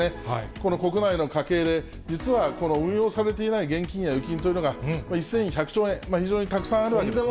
この国内の家計で、実は運用されていない現金や預金というのが、１１００兆円、非常にたくさんあるわけですね。